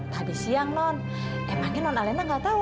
tadi siang non emangnya non alena tidak tahu